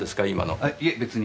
あいえ別に。